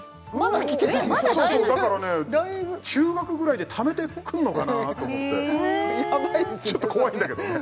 だいぶそうだからね中学ぐらいでためて来んのかなと思ってヤバいですよねちょっと怖いんだけどね